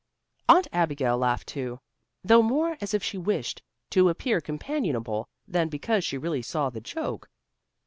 Aunt Abigail laughed too, though more as if she wished to appear companionable than because she really saw the joke.